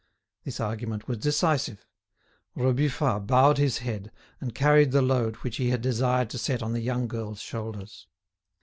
This argument was decisive. Rebufat bowed his head, and carried the load which he had desired to set on the young girl's shoulders.